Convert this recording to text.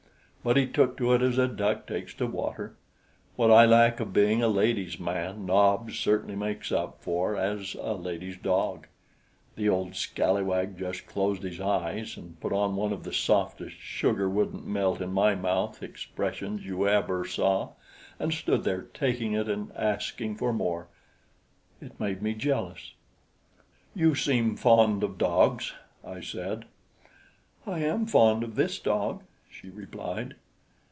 But he took to it as a duck takes to water. What I lack of being a ladies' man, Nobs certainly makes up for as a ladies' dog. The old scalawag just closed his eyes and put on one of the softest "sugar wouldn't melt in my mouth" expressions you ever saw and stood there taking it and asking for more. It made me jealous. "You seem fond of dogs," I said. "I am fond of this dog," she replied.